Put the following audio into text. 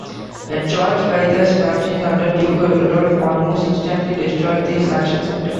A charge by the Swabians under Duke Rudolf almost instantly destroyed the Saxon centre.